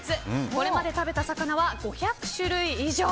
これまで食べた魚は５００種類以上。